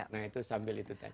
nah itu sambil itu tadi